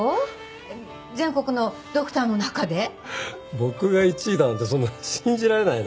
僕が１位だなんてそんな信じられないな。